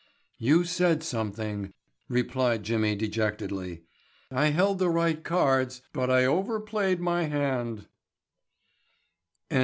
"You said something," replied Jimmy dejectedly. "I held the right cards, but I overplayed my hand."